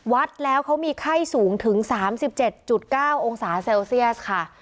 วัดแล้วเขามีไข้สูงถึง๓๗๙องศาเซลเซียสค่ะ